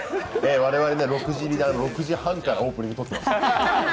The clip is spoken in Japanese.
我々は６時半からオープニング撮ってました。